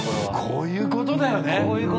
こういうことですね。